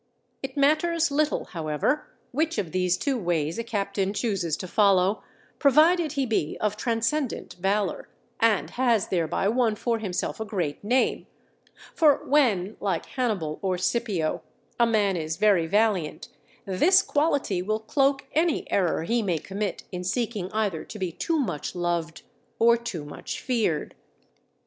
It matters little, however, which of these two ways a captain chooses to follow, provided he be of transcendent valour, and has thereby won for himself a great name For when, like Hannibal or Scipio, a man is very valiant, this quality will cloak any error he may commit in seeking either to be too much loved or too much feared.